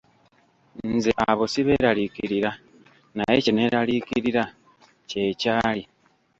Nze abo sibeeraliikirira, naye kye neeneraliikirira kye kyali.